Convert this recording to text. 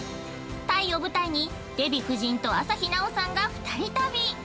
タイを舞台にデヴィ夫人と朝日奈央さんが２人旅。